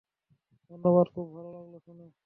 ধন্যবাদ, খুব ভালো লাগলো শুনে।